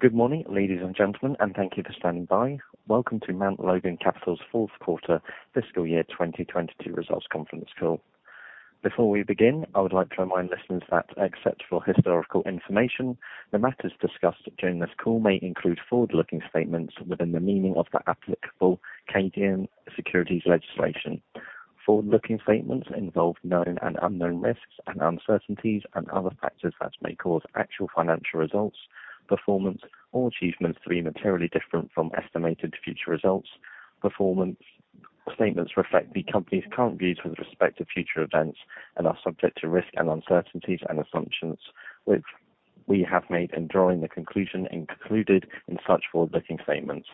Good morning, ladies and gentlemen, and thank you for standing by. Welcome to Mount Logan Capital's fourth quarter fiscal year 2022 results conference call. Before we begin, I would like to remind listeners that except for historical information, the matters discussed during this call may include forward-looking statements within the meaning of the applicable Canadian securities legislation. Forward-looking statements involve known and unknown risks and uncertainties and other factors that may cause actual financial results, performance or achievements to be materially different from estimated future results. Performance statements reflect the company's current views with respect to future events, are subject to risks and uncertainties and assumptions which we have made in drawing the conclusions included in such forward-looking statements.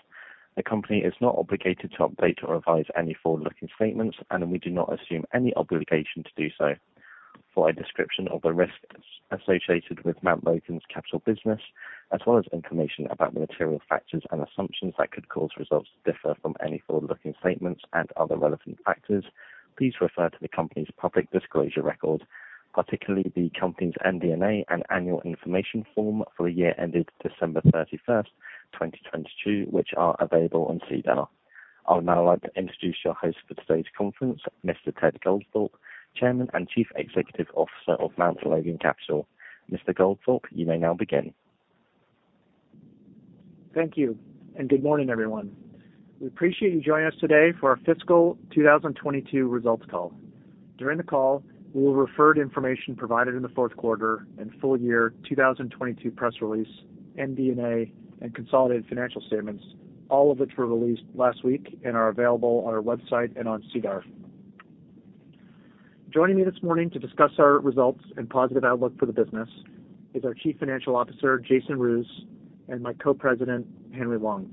The company is not obligated to update or revise any forward-looking statements, we do not assume any obligation to do so. For a description of the risks associated with Mount Logan's capital business, as well as information about the material factors and assumptions that could cause results to differ from any forward-looking statements and other relevant factors, please refer to the company's public disclosure record, particularly the company's MD&A and annual information form for the year ended December 31st, 2022, which are available on SEDAR+. I would now like to introduce your host for today's conference, Mr. Ted Goldthorpe, Chairman and Chief Executive Officer of Mount Logan Capital. Mr. Goldthorpe, you may now begin. Thank you, and good morning, everyone. We appreciate you joining us today for our fiscal 2022 results call. During the call, we will refer to information provided in the 4th quarter and full year 2022 press release, MD&A, and consolidated financial statements, all of which were released last week and are available on our website and on SEDAR+. Joining me this morning to discuss our results and positive outlook for the business is our Chief Financial Officer, Jason Roos, and my Co-President, Henry Wang.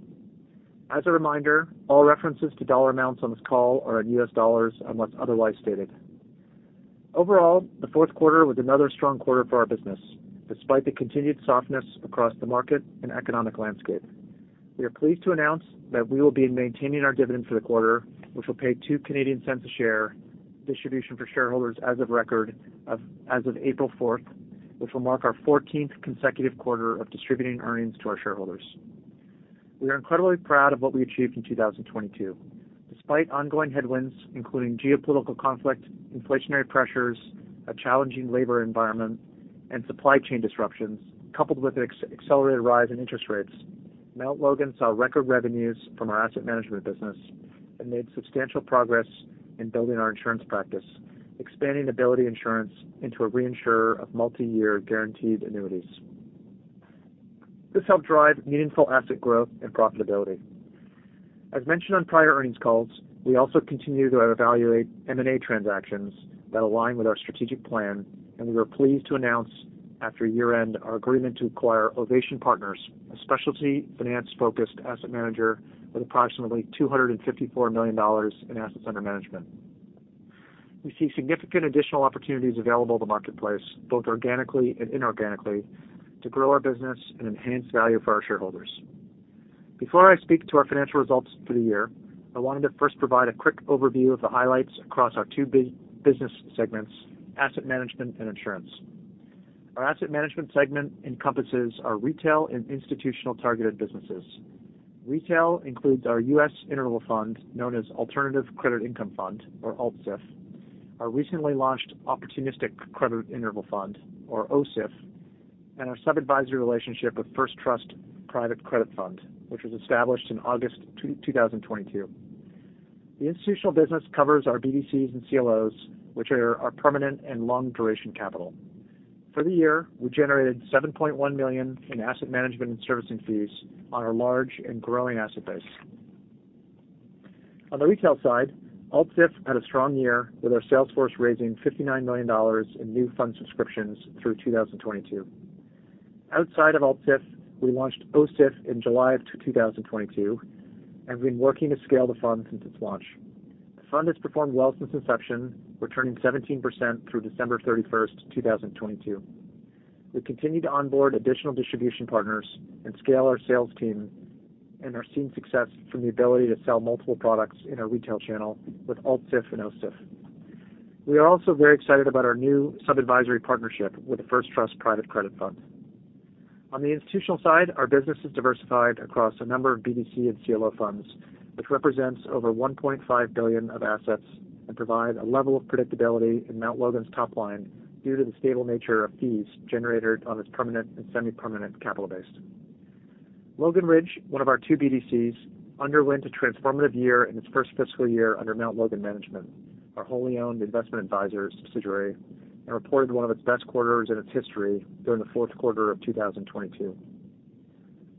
As a reminder, all references to dollar amounts on this call are in U.S. dollars, unless otherwise stated. Overall, the 4th quarter was another strong quarter for our business, despite the continued softness across the market and economic landscape. We are pleased to announce that we will be maintaining our dividend for the quarter, which will pay a CAD 0.02 a share distribution for shareholders as of April 4th, which will mark our 14th consecutive quarter of distributing earnings to our shareholders. We are incredibly proud of what we achieved in 2022. Despite ongoing headwinds, including geopolitical conflict, inflationary pressures, a challenging labor environment, and supply chain disruptions, coupled with an accelerated rise in interest rates, Mount Logan saw record revenues from our asset management business and made substantial progress in building our insurance practice, expanding Ability Insurance Company into a reinsurer of Multi-Year Guaranteed Annuities. This helped drive meaningful asset growth and profitability. As mentioned on prior earnings calls, we also continue to evaluate M&A transactions that align with our strategic plan. We are pleased to announce, after year-end, our agreement to acquire Ovation Partners, a specialty finance-focused asset manager with approximately $254 million in assets under management. We see significant additional opportunities available in the marketplace, both organically and inorganically, to grow our business and enhance value for our shareholders. Before I speak to our financial results for the year, I wanted to first provide a quick overview of the highlights across our two business segments, asset management and insurance. Our asset management segment encompasses our retail and institutional targeted businesses. Retail includes our US interval fund, known as Alternative Credit Income Fund or Alt-CIF, our recently launched Opportunistic Credit Interval Fund or OCIF, and our sub-advisory relationship with First Trust Private Credit Fund, which was established in August 2, 2022. The institutional business covers our BDCs and CLOs, which are our permanent and long-duration capital. For the year, we generated $7.1 million in asset management and servicing fees on our large and growing asset base. On the retail side, Alt-CIF had a strong year with our sales force raising $59 million in new fund subscriptions through 2022. Outside of Alt-CIF, we launched OCIF in July of 2022 and have been working to scale the fund since its launch. The fund has performed well since inception, returning 17% through December 31st, 2022. We continue to onboard additional distribution partners and scale our sales team, and are seeing success from the ability to sell multiple products in our retail channel with Alt-CIF and OCIF. We are also very excited about our new sub-advisory partnership with First Trust Private Credit Fund. On the institutional side, our business is diversified across a number of BDC and CLO funds, which represent over $1.5 billion of assets and provide a level of predictability in Mount Logan's top line due to the stable nature of fees generated on its permanent and semi-permanent capital base. Logan Ridge, one of our two BDCs, underwent a transformative year in its first fiscal year under Mount Logan Management, our wholly owned investment advisor subsidiary, and reported one of the best quarters in its history during the fourth quarter of 2022.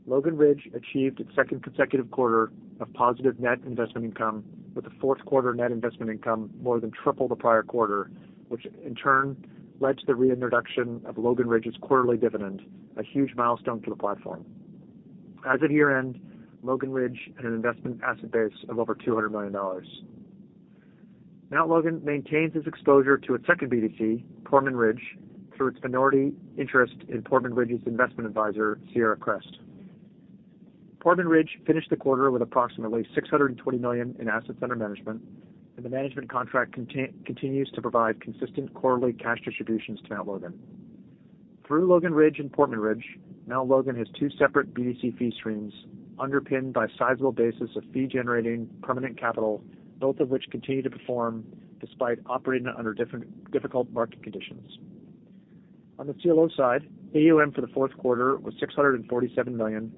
Logan Ridge achieved its second consecutive quarter of positive net investment income, with the fourth quarter net investment income more than triple the prior quarter, which in turn led to the reintroduction of Logan Ridge's quarterly dividend, a huge milestone for the platform. As of year-end, Logan Ridge had an investment asset base of over $200 million. Mount Logan maintains its exposure to its second BDC, Portman Ridge, through its minority interest in Portman Ridge's investment advisor, Sierra Crest. Portman Ridge finished the quarter with approximately $620 million in assets under management, and the management contract continues to provide consistent quarterly cash distributions to Mount Logan. Through Logan Ridge and Portman Ridge, Mount Logan has two separate BDC fee streams underpinned by a sizable basis of fee-generating permanent capital, both of which continue to perform despite operating under difficult market conditions. On the CLO side, AUM for the fourth quarter was $647 million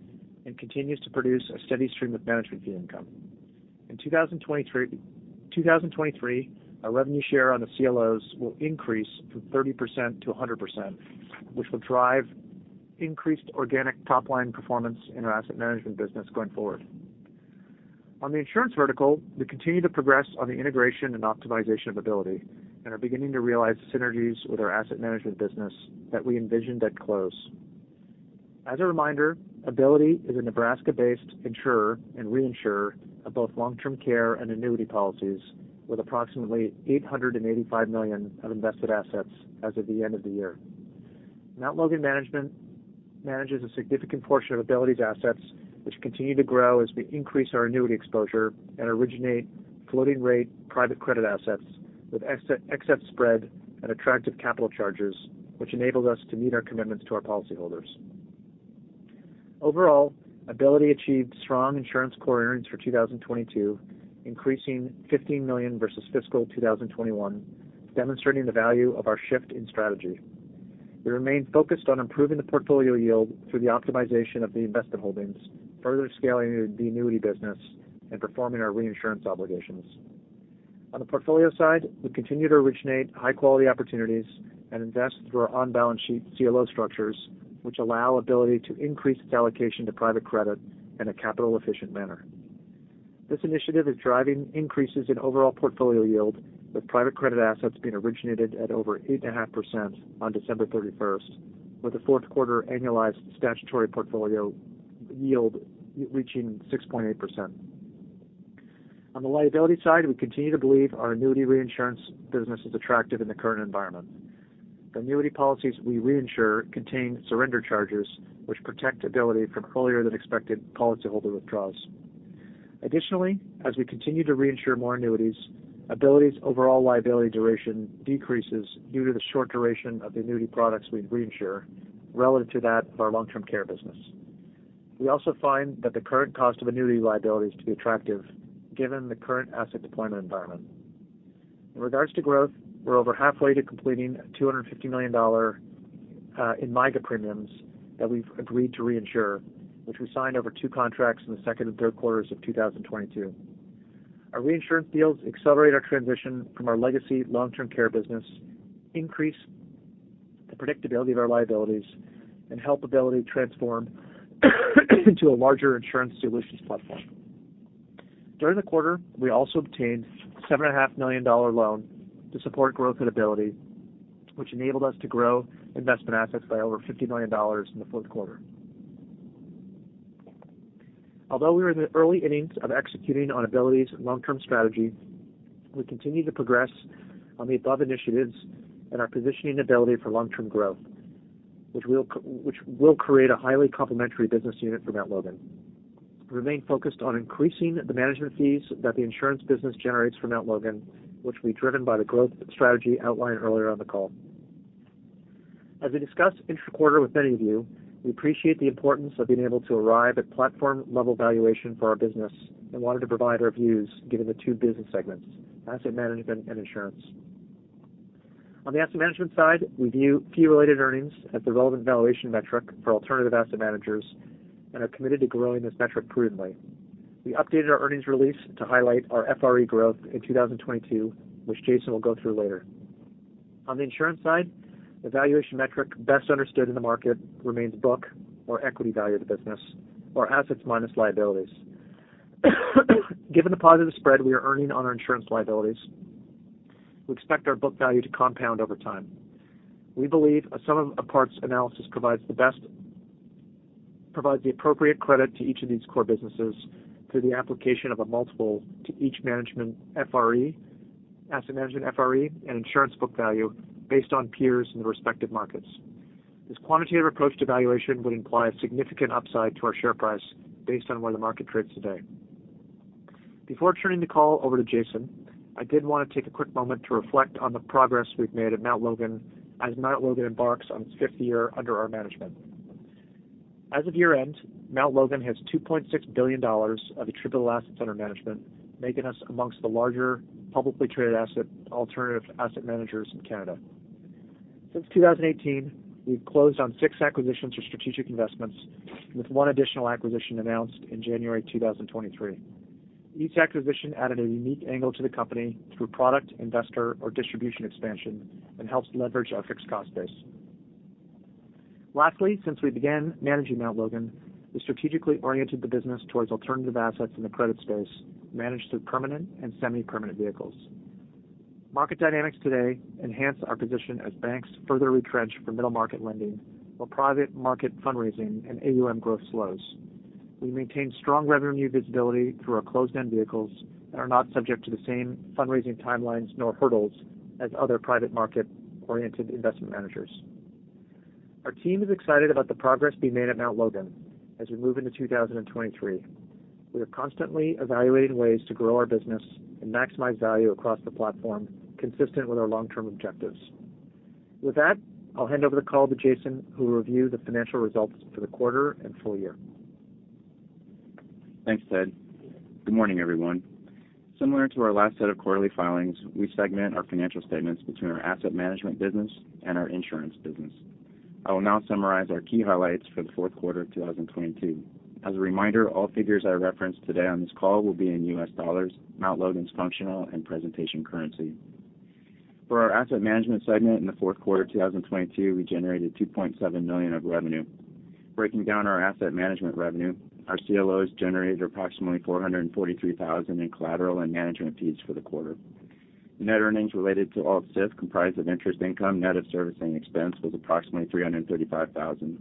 and continues to produce a steady stream of management fee income. In 2023, our revenue share on the CLOs will increase from 30% to 100%, which will drive increased organic top line performance in our asset management business going forward. On the insurance vertical, we continue to progress on the integration and optimization of Ability and are beginning to realize synergies with our asset management business that we envisioned at close. As a reminder, Ability is a Nebraska-based insurer and reinsurer of both long-term care and annuity policies with approximately $885 million of invested assets as of the end of the year. Mount Logan Management manages a significant portion of Ability's assets, which continue to grow as we increase our annuity exposure and originate floating rate private credit assets with excess spread and attractive capital charges, which enables us to meet our commitments to our policyholders. Overall, Ability achieved strong insurance core earnings for 2022, increasing $15 million versus fiscal 2021, demonstrating the value of our shift in strategy. We remain focused on improving the portfolio yield through the optimization of the invested holdings, further scaling the annuity business and performing our reinsurance obligations. On the portfolio side, we continue to originate high quality opportunities and invest through our on-balance sheet CLO structures, which allow Ability to increase its allocation to private credit in a capital efficient manner. This initiative is driving increases in overall portfolio yield, with private credit assets being originated at over 8.5% on December 31st, with the fourth quarter annualized statutory portfolio yield reaching 6.8%. On the liability side, we continue to believe our annuity reinsurance business is attractive in the current environment. The annuity policies we reinsure contain surrender charges which protect Ability from earlier than expected policyholder withdrawals. Additionally, as we continue to reinsure more annuities, Ability's overall liability duration decreases due to the short duration of the annuity products we reinsure relative to that of our long-term care business. We also find that the current cost of annuity liabilities to be attractive given the current asset deployment environment. In regards to growth, we're over halfway to completing $250 million in MYGA premiums that we've agreed to reinsure, which we signed over two contracts in the second and third quarters of 2022. Our reinsurance deals accelerate our transition from our legacy long-term care business, increase the predictability of our liabilities, and help Ability transform into a larger insurance solutions platform. During the quarter, we also obtained a $7.5 million loan to support growth and Ability, which enabled us to grow investment assets by over $50 million in the fourth quarter. Although we are in the early innings of executing on Ability's long-term strategy, we continue to progress on the above initiatives and are positioning Ability for long-term growth, which will create a highly complementary business unit for Mount Logan. We remain focused on increasing the management fees that the insurance business generates for Mount Logan, which will be driven by the growth strategy outlined earlier on the call. As we discussed intra-quarter with many of you, we appreciate the importance of being able to arrive at platform level valuation for our business and wanted to provide our views given the two business segments, asset management and insurance. On the asset management side, we view fee related earnings as the relevant valuation metric for alternative asset managers and are committed to growing this metric prudently. We updated our earnings release to highlight our FRE growth in 2022, which Jason will go through later. On the insurance side, the valuation metric best understood in the market remains book or equity value of the business or assets minus liabilities. Given the positive spread we are earning on our insurance liabilities, we expect our book value to compound over time. We believe a sum of a parts analysis provides the appropriate credit to each of these core businesses through the application of a multiple to each management FRE, asset management FRE, and insurance book value based on peers in the respective markets. This quantitative approach to valuation would imply a significant upside to our share price based on where the market trades today. Before turning the call over to Jason, I did want to take a quick moment to reflect on the progress we've made at Mount Logan as Mount Logan embarks on its fifth year under our management. As of year-end, Mount Logan has $2.6 billion of attributable AUM, making us amongst the larger publicly traded alternative asset managers in Canada. Since 2018, we've closed on six acquisitions for strategic investments, with one additional acquisition announced in January 2023. Each acquisition added a unique angle to the company through product, investor, or distribution expansion and helps leverage our fixed cost base. Lastly, since we began managing Mount Logan, we strategically oriented the business towards alternative assets in the credit space managed through permanent and semi-permanent vehicles. Market dynamics today enhance our position as banks further retrench for middle market lending, while private market fundraising and AUM growth slow. We maintain strong revenue visibility through our closed-end vehicles that are not subject to the same fundraising timelines or hurdles as other private market-oriented investment managers. Our team is excited about the progress being made at Mount Logan as we move into 2023. We are constantly evaluating ways to grow our business and maximize value across the platform, consistent with our long-term objectives. With that, I'll hand over the call to Jason, who will review the financial results for the quarter and full year. Thanks, Ted. Good morning, everyone. Similar to our last set of quarterly filings, we segment our financial statements between our asset management business and our insurance business. I will now summarize our key highlights for the fourth quarter of 2022. As a reminder, all figures I reference today on this call will be in U.S. dollars, Mount Logan's functional and presentation currency. For our asset management segment in the fourth quarter of 2022, we generated $2.7 million of revenue. Breaking down our asset management revenue, our CLOs generated approximately $443,000 in collateral and management fees for the quarter. Net earnings related to Alt-CIF, comprised of interest income net of servicing expense was approximately $335,000.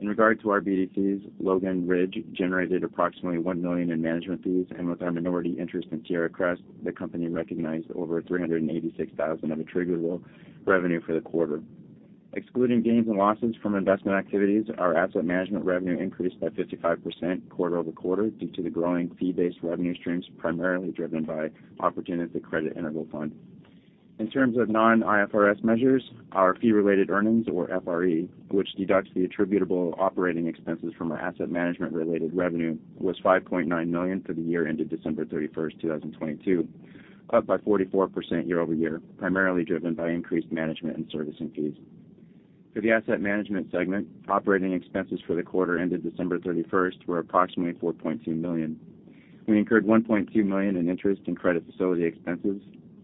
In regard to our BDCs, Logan Ridge generated approximately $1 million in management fees, and with our minority interest in Sierra Crest, the company recognized over $386,000 of attributable revenue for the quarter. Excluding gains and losses from investment activities, our asset management revenue increased by 55% quarter-over-quarter due to the growing fee-based revenue streams, primarily driven by the Opportunistic Credit Interval Fund. In terms of non-IFRS measures, our fee-related earnings or FRE, which deducts the attributable operating expenses from our asset management-related revenue, were $5.9 million for the year ended December 31st, 2022, up by 44% year-over-year, primarily driven by increased management and servicing fees. For the asset management segment, operating expenses for the quarter ended December 31st were approximately $4.2 million. We incurred $1.2 million in interest and credit facility expenses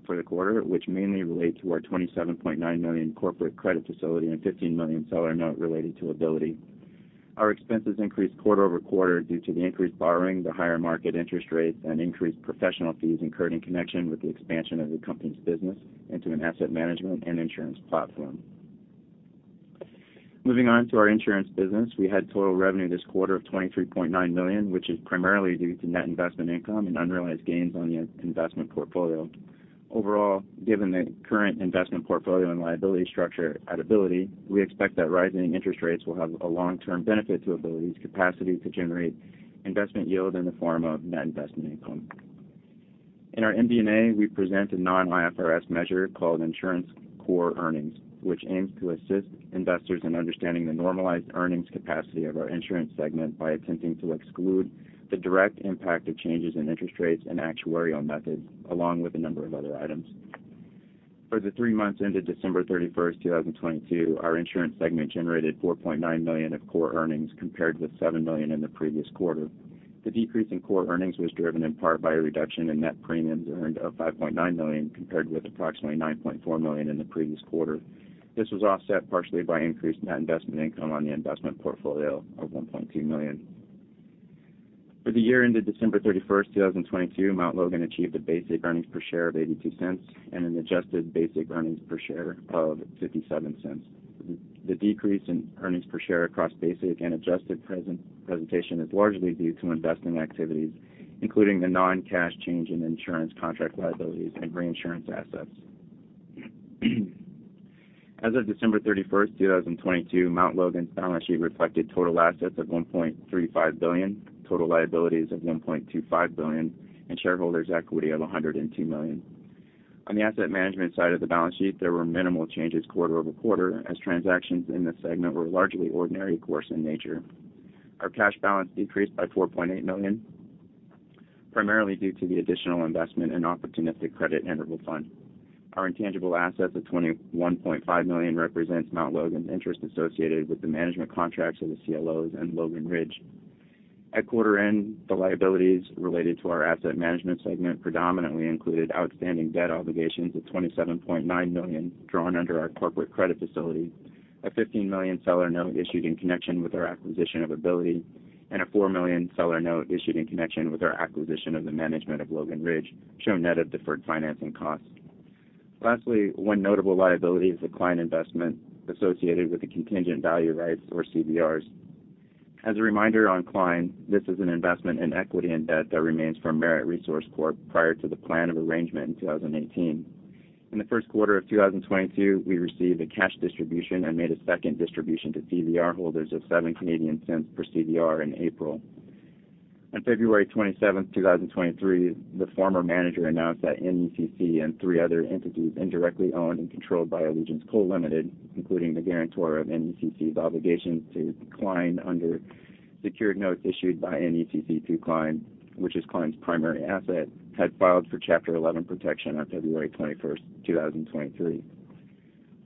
for the quarter, which mainly relate to our $27.9 million corporate credit facility and $15 million seller note related to Ability. Our expenses increased quarter-over-quarter due to the increased borrowing, the higher market interest rates, and increased professional fees incurred in connection with the expansion of the company's business into an asset management and insurance platform. Moving on to our insurance business. We had total revenue this quarter of $23.9 million, which is primarily due to net investment income and unrealized gains on the investment portfolio. Overall, given the current investment portfolio and liability structure at Ability, we expect that rising interest rates will have a long-term benefit to Ability's capacity to generate investment yield in the form of net investment income. In our MD&A, we present a non-IFRS measure called insurance core earnings, which aims to assist investors in understanding the normalized earnings capacity of our insurance segment by attempting to exclude the direct impact of changes in interest rates and actuarial methods, along with a number of other items. For the three months ended December 31st, 2022, our insurance segment generated $4.9 million of core earnings compared with $7 million in the previous quarter. The decrease in core earnings was driven in part by a reduction in net premiums earned of $5.9 million, compared with approximately $9.4 million in the previous quarter. This was offset partially by increased net investment income on the investment portfolio of $1.2 million. For the year ended December 31st, 2022, Mount Logan achieved a basic earnings per share of $0.82 and an adjusted basic earnings per share of $0.57. The decrease in earnings per share across basic and adjusted present-presentation is largely due to investing activities, including the non-cash change in insurance contract liabilities and reinsurance assets. As of December 31, 2022, Mount Logan's balance sheet reflected total assets of $1.35 billion, total liabilities of $1.25 billion, and shareholders' equity of $102 million. On the asset management side of the balance sheet, there were minimal changes quarter-over-quarter as transactions in this segment were largely ordinary course in nature. Our cash balance decreased by $4.8 million, primarily due to the additional investment in the Opportunistic Credit Interval Fund. Our intangible assets of $21.5 million represent Mount Logan's interest associated with the management contracts of the CLOs and Logan Ridge. At quarter end, the liabilities related to our asset management segment predominantly included outstanding debt obligations of $27.9 million drawn under our corporate credit facility, a $15 million seller note issued in connection with our acquisition of Ability, and a $4 million seller note issued in connection with our acquisition of the management of Logan Ridge, shown net of deferred financing costs. Lastly, one notable liability is the Cline investment associated with the contingent value rights or CVRs. As a reminder on Cline, this is an investment in equity and debt that remains from Marret Resource Corp. prior to the plan of arrangement in 2018. In the first quarter of 2022, we received a cash distribution and made a second distribution to CVR holders of 0.07 per CVR in April. On February 27th, 2023, the former manager announced that NECC and three other entities indirectly owned and controlled by Allegiance Coal Limited, including the guarantor of NECC's obligations to Cline under secured notes issued by NECC to Cline, which is Cline's primary asset, had filed for Chapter 11 protection on February 21st, 2023.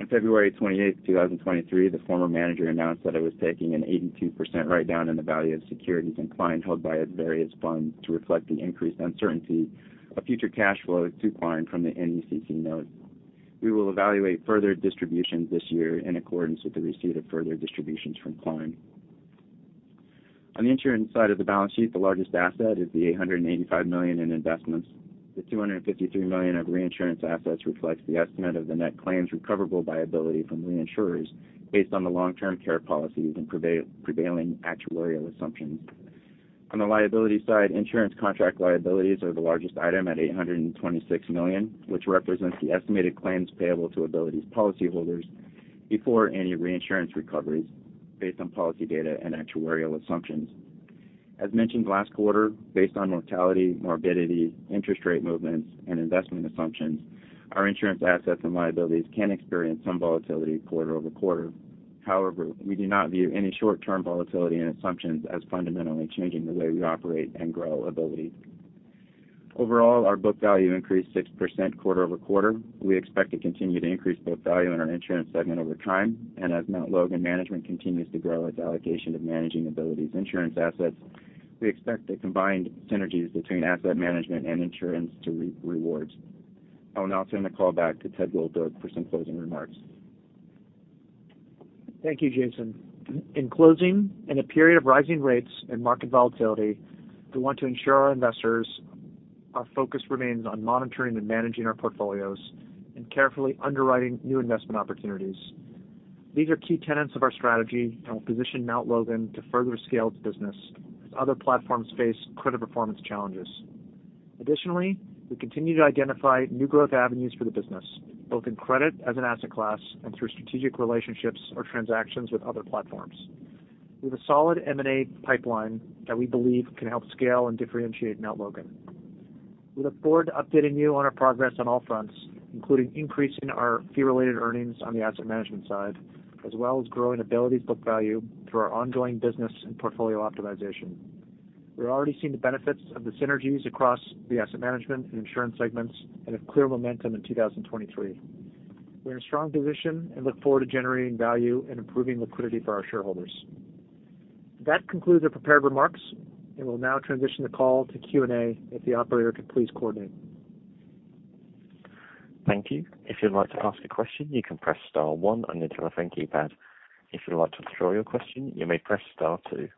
On February 28th, 2023, the former manager announced that it was taking an 82% write down in the value of securities in Cline held by its various funds to reflect the increased uncertainty of future cash flow to Cline from the NECC note. We will evaluate further distributions this year in accordance with the receipt of further distributions from Cline. On the insurance side of the balance sheet, the largest asset is the $885 million in investments. The $253 million of reinsurance assets reflects the estimate of the net claims recoverable by Ability from reinsurers based on the long-term care policies and prevailing actuarial assumptions. On the liability side, insurance contract liabilities are the largest item at $826 million, which represents the estimated claims payable to Ability's policyholders before any reinsurance recoveries based on policy data and actuarial assumptions. As mentioned last quarter, based on mortality, morbidity, interest rate movements, and investment assumptions, our insurance assets and liabilities can experience some volatility quarter-over-quarter. However, we do not view any short-term volatility and assumptions as fundamentally changing the way we operate and grow Ability. Overall, our book value increased 6% quarter-over-quarter. We expect to continue to increase book value in our insurance segment over time. As Mount Logan Management continues to grow its allocation to managing Ability's insurance assets, we expect the combined synergies between asset management and insurance to reap rewards. I will now turn the call back to Ted Goldthorpe for some closing remarks. Thank you, Jason. In closing, in a period of rising rates and market volatility, we want to ensure our investors our focus remains on monitoring and managing our portfolios and carefully underwriting new investment opportunities. These are key tenets of our strategy that will position Mount Logan to further scale its business as other platforms face credit performance challenges. Additionally, we continue to identify new growth avenues for the business, both in credit as an asset class and through strategic relationships or transactions with other platforms. We have a solid M&A pipeline that we believe can help scale and differentiate Mount Logan. We look forward to updating you on our progress on all fronts, including increasing our fee-related earnings on the asset management side, as well as growing Ability's book value through our ongoing business and portfolio optimization. We're already seeing the benefits of the synergies across the asset management and insurance segments and have clear momentum in 2023. We're in a strong position and look forward to generating value and improving liquidity for our shareholders. That concludes our prepared remarks, and we'll now transition the call to Q&A if the operator could please coordinate. Thank you. If you'd like to ask a question, you can press star one on your telephone keypad. If you'd like to withdraw your question, you may press star two.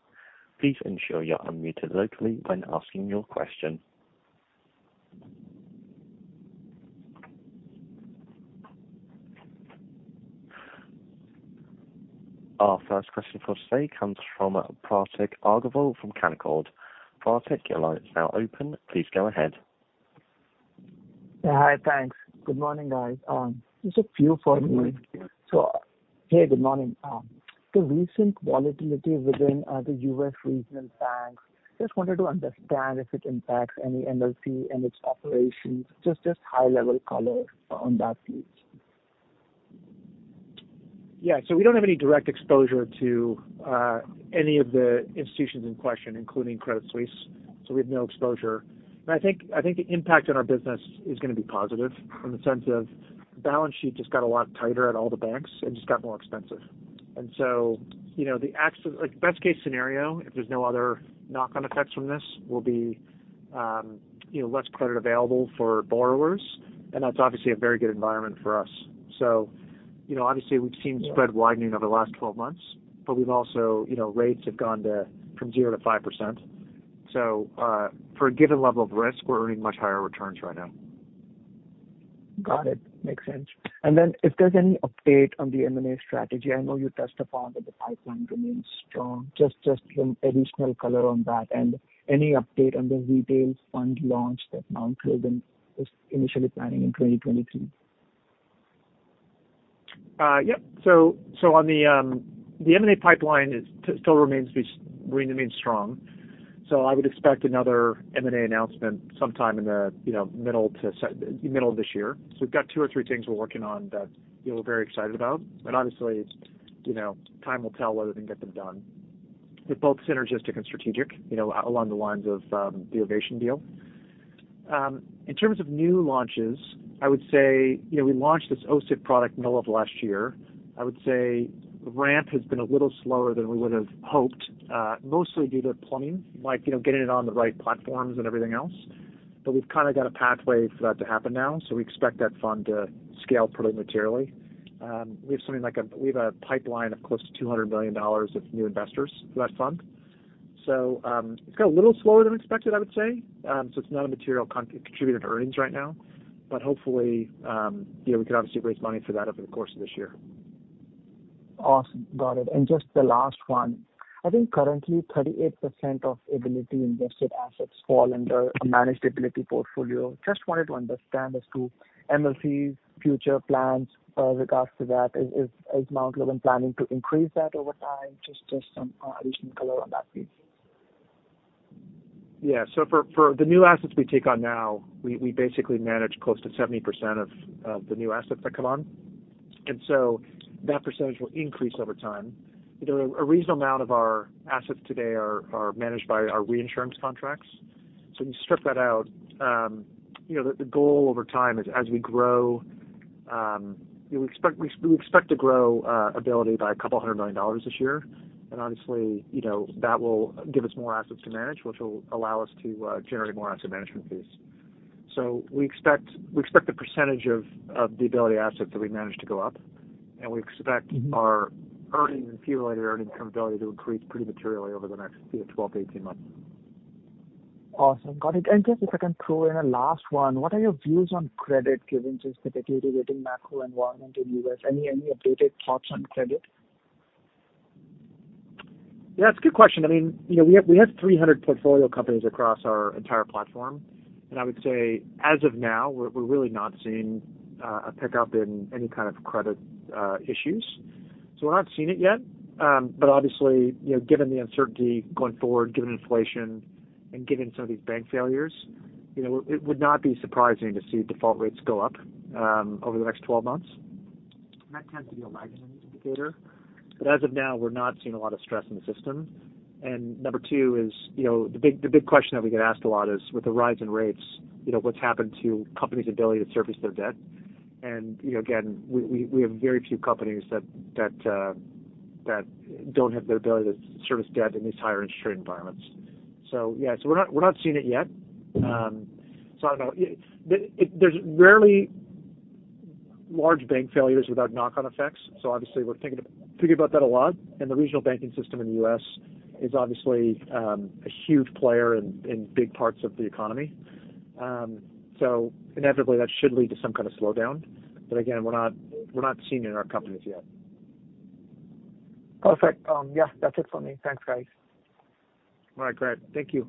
Please ensure you're unmuted locally when asking your question. Our first question for today comes from Prateek Datta from Canaccord. Prateek, your line is now open. Please go ahead. Hi. Thanks. Good morning, guys. Just a few for me. Good morning. Hey, good morning. The recent volatility within the U.S. regional banks, just wanted to understand if it impacts any MLC and its operations. Just high level color on that, please. We don't have any direct exposure to any of the institutions in question, including Credit Suisse. We have no exposure. I think the impact on our business is gonna be positive in the sense of the balance sheet just got a lot tighter at all the banks and just got more expensive. You know, like, best case scenario, if there's no other knock-on effects from this, will be, you know, less credit available for borrowers, and that's obviously a very good environment for us. You know, obviously, we've seen spread widening over the last 12 months, but we've also, you know, rates have gone to from 0 to 5%. For a given level of risk, we're earning much higher returns right now. Got it. Makes sense. If there's any update on the M&A strategy, I know you touched upon that the pipeline remains strong. Just some additional color on that. Any update on the retail fund launch that Mount Logan was initially planning in 2023. Yep. On the M&A pipeline still remains strong. I would expect another M&A announcement sometime in the, you know, middle to middle of this year. We've got two or three things we're working on that, you know, we're very excited about. Obviously, you know, time will tell whether we can get them done. They're both synergistic and strategic, you know, along the lines of the Ovation deal. In terms of new launches, I would say, you know, we launched this OCIF product middle of last year. I would say the ramp has been a little slower than we would've hoped, mostly due to plumbing, like, you know, getting it on the right platforms and everything else. We've kind of got a pathway for that to happen now, so we expect that fund to scale pretty materially. We have something like a pipeline of close to $200 million of new investors for that fund. It's gone a little slower than expected, I would say. It's not a material contributor to earnings right now, but hopefully, you know, we could obviously raise money for that over the course of this year. Awesome. Got it. Just the last one. I think currently 38% of Ability invested assets fall under a managed Ability portfolio. Just wanted to understand as to MLC's future plans, regards to that. Is Mount Logan planning to increase that over time? Just some additional color on that, please. Yeah. So for the new assets we take on now, we basically manage close to 70% of the new assets that come on. That percentage will increase over time. You know, a reasonable amount of our assets today are managed by our reinsurance contracts. So when you strip that out, you know, the goal over time is as we grow, we expect to grow Ability by a couple hundred million dollars this year. Obviously, you know, that will give us more assets to manage, which will allow us to generate more asset management fees. We expect the percentage of the Ability assets that we manage to go up, and we expect our earnings and fee-related earnings from Ability to increase pretty materially over the next, you know, 12 to 18 months. Awesome. Got it. Just a second throw in a last one. What are your views on credit given to the deteriorating macro environment in the U.S.? Any, any updated thoughts on credit? Yeah, that's a good question. I mean, you know, we have 300 portfolio companies across our entire platform. I would say as of now, we're really not seeing a pickup in any kind of credit issues. We're not seeing it yet. Obviously, you know, given the uncertainty going forward, given inflation and given some of these bank failures, you know, it would not be surprising to see default rates go up over the next 12 months. That tends to be a lagging indicator. As of now, we're not seeing a lot of stress in the system. Number two is, you know, the big question that we get asked a lot is, with the rise in rates, you know, what's happened to companies' ability to service their debt? You know, again, we have very few companies that don't have the ability to service debt in these higher interest rate environments. Yeah, we're not seeing it yet. I don't know. There are rarely large bank failures without knock-on effects. Obviously, we're thinking about that a lot. The regional banking system in the U.S. is obviously a huge player in big parts of the economy. Inevitably, that should lead to some kind of slowdown. Again, we're not seeing it in our companies yet. Perfect. Yeah, that's it for me. Thanks, guys. All right. Great. Thank you.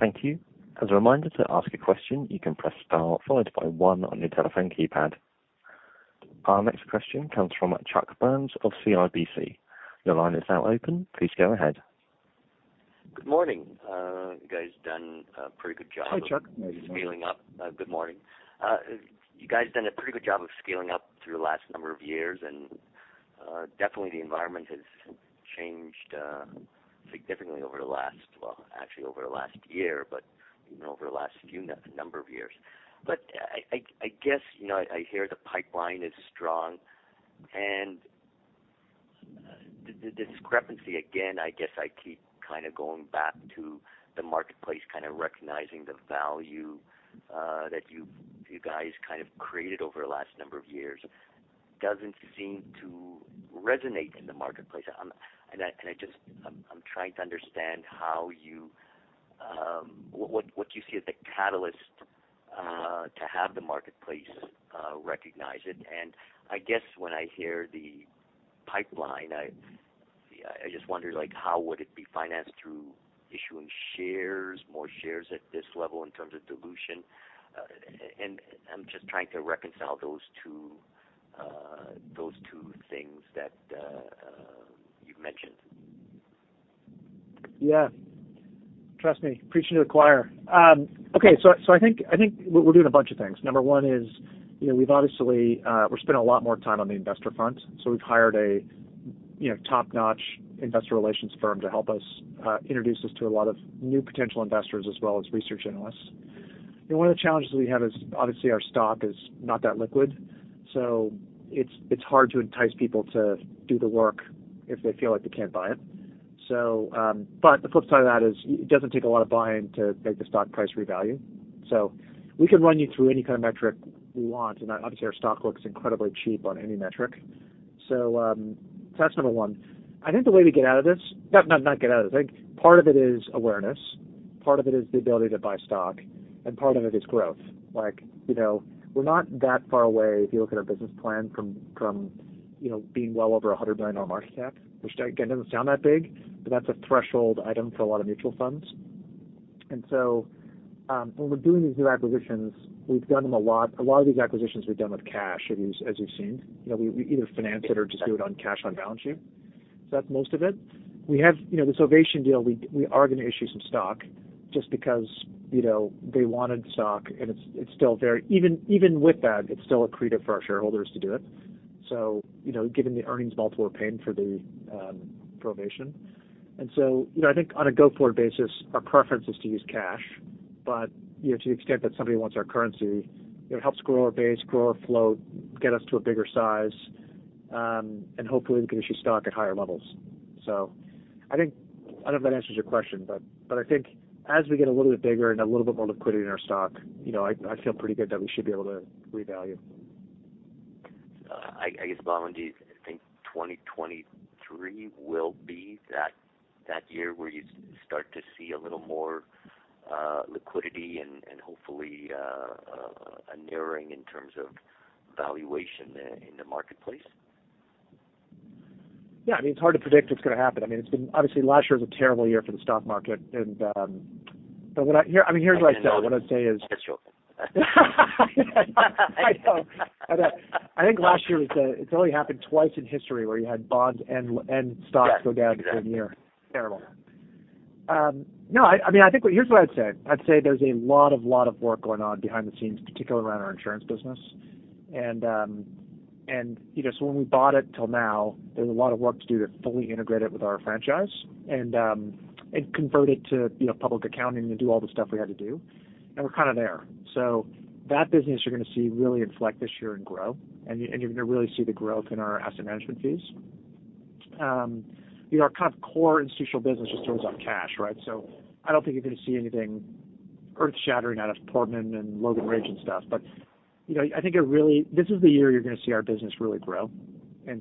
Thank you. As a reminder to ask a question, you can press star followed by one on your telephone keypad. Our next question comes from Chuck Burger of CIBC. Your line is now open. Please go ahead. Good morning. You guys done a pretty good job. Hi, Chuck. How are you? -scaling up. Good morning. You guys done a pretty good job of scaling up through the last number of years, and definitely the environment has changed significantly over the last well, actually over the last year, but, you know, over the last few number of years. I guess, you know, I hear the pipeline is strong. The discrepancy, again, I guess I keep kinda going back to the marketplace, kinda recognizing the value that you guys kind of created over the last number of years, doesn't seem to resonate in the marketplace. I just I'm trying to understand how you what you see as the catalyst to have the marketplace recognize it? I guess when I hear the pipeline, I just wonder, like, how would it be financed through issuing shares, more shares at this level in terms of dilution. I'm just trying to reconcile those two those two things that you mentioned. Yeah. Trust me, preaching to the choir. Okay. I think we're doing a bunch of things. Number one is, you know, we've obviously, we're spending a lot more time on the investor front. We've hired a, you know, top-notch investor relations firm to help us introduce us to a lot of new potential investors as well as research analysts. You know, one of the challenges we have is obviously our stock is not that liquid. It's, it's hard to entice people to do the work if they feel like they can't buy it. But the flip side of that is it doesn't take a lot of buying to make the stock price revalue. We can run you through any kind of metric you want, and obviously our stock looks incredibly cheap on any metric. That's number one. I think the way to get out of this, not get out of it. I think part of it is awareness, part of it is the ability to buy stock, and part of it is growth. Like, you know, we're not that far away if you look at our business plan from, you know, being well over $100 billion on market cap, which again doesn't sound that big, but that's a threshold item for a lot of mutual funds. When we're doing these new acquisitions, we've done them a lot. A lot of these acquisitions we've done with cash as you've seen. You know, we either finance it or just do it on cash on balance sheet. That's most of it. We have, you know, this Ovation deal, we are gonna issue some stock just because, you know, they wanted stock and it's still very. Even with that, it's still accretive for our shareholders to do it, so, you know, given the earnings multiple we're paying for the for Ovation. I think on a go-forward basis, our preference is to use cash, but, you know, to the extent that somebody wants our currency, it helps grow our base, grow our float, get us to a bigger size, and hopefully we can issue stock at higher levels. I think I don't know if that answers your question, but I think as we get a little bit bigger and a little bit more liquidity in our stock, you know, I feel pretty good that we should be able to revalue. I guess following, do you think 2023 will be that year where you start to see a little more liquidity and hopefully a narrowing in terms of valuation in the marketplace? Yeah. I mean, it's hard to predict what's gonna happen. I mean, Obviously, last year was a terrible year for the stock market and I mean, here's what I say. I know. I know. I think last year was it's only happened twice in history where you had bonds and stocks go down in the same year. Yeah. Exactly. Terrible. No. I mean, here's what I'd say. I'd say there's a lot of work going on behind the scenes, particularly around our insurance business. You know, so when we bought it till now, there's a lot of work to do to fully integrate it with our franchise and convert it to, you know, public accounting and do all the stuff we had to do. We're kinda there. That business you're gonna see really inflect this year and grow, and you're gonna really see the growth in our asset management fees. You know, our kind of core institutional business just throws off cash, right? I don't think you're gonna see anything earth-shattering out of Portman and Logan Ridge and stuff. You know, I think it really... This is the year you're gonna see our business really grow. You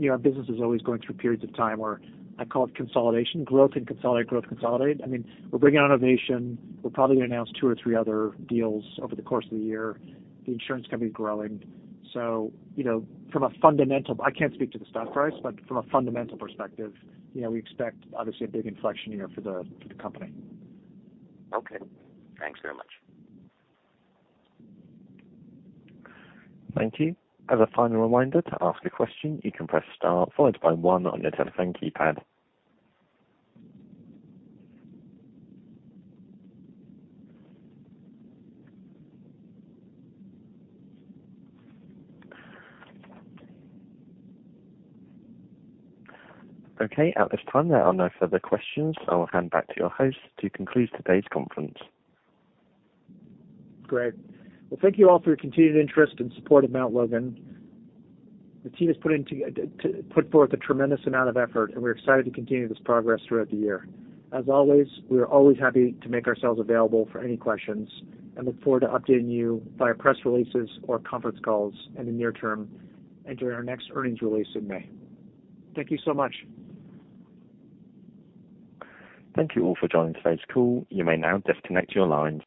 know, our business is always going through periods of time where I call it consolidation. Growth and consolidate, growth, consolidate. I mean, we're bringing on Ovation. We'll probably announce two or three other deals over the course of the year. The insurance company's growing. You know, from a fundamental, I can't speak to the stock price, but from a fundamental perspective, you know, we expect obviously a big inflection year for the company. Okay. Thanks very much. Thank you. As a final reminder to ask a question, you can press star followed by one on your telephone keypad. At this time, there are no further questions. I will hand back to your host to conclude today's conference. Great. Well, thank you all for your continued interest and support of Mount Logan. The team has put forth a tremendous amount of effort, and we're excited to continue this progress throughout the year. As always, we are always happy to make ourselves available for any questions and look forward to updating you via press releases or conference calls in the near term and during our next earnings release in May. Thank you so much. Thank you all for joining today's call. You may now disconnect your line.